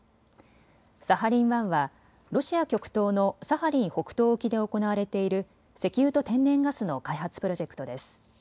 サハリン１はロシア極東のサハリン北東沖で行われている石油と天然ガスの開発プロジェクトです。